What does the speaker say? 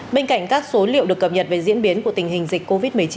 bên cạnh các số liệu được cập nhật về diễn biến của tình hình dịch covid một mươi chín